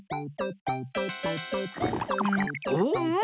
お？